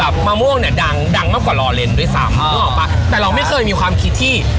มะม่วงเนี่ยดังดังมากกว่าลอเลนด้วยซ้ำนึกออกป่ะแต่เราไม่เคยมีความคิดที่